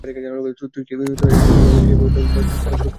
তুই কি এইভাবে তোর ছোট্ট বোনটাকে কষ্ট দিতে চাস?